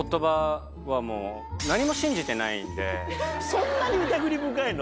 そんなに疑り深いの？